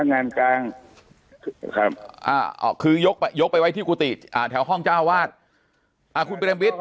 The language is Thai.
ครับอ่าเอาคือยกไปยกไปไว้ที่กุฏิอ่าแถวห้องเจ้าอวาทอ่าคุณเบรมทริท